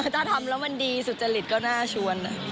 ถ้าทำแล้วมันดีสุจริตก็น่าชวน